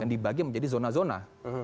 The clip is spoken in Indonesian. dan dibagi menjadi zona zona